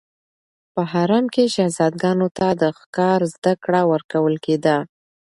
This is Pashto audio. په حرم کې شهزادګانو ته د ښکار زده کړه ورکول کېده.